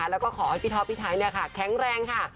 แล้วก็ขอให้พี่ท็อปพี่ไทยแข็งแรงค่ะ